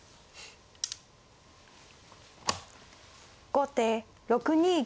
後手６二玉。